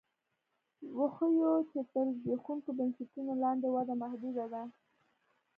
وښیو چې تر زبېښونکو بنسټونو لاندې وده محدوده ده